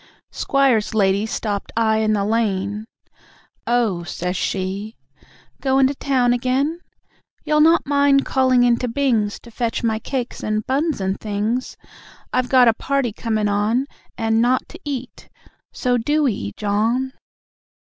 Squire's lady stopped I in the lane, "Oh," says she, "goin' to town again? You'll not mind calling into Bings To fetch my cakes and buns and things? I've got a party comin' on, And nought to eat ... so, DO 'ee, John."